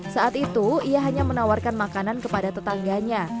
saat itu ia hanya menawarkan makanan kepada tetangganya